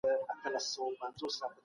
خو افغانستان تل لومړی کېږي.